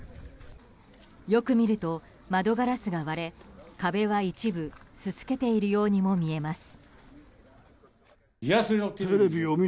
よく見ると、窓ガラスが割れ壁は一部すすけているようにも見えます。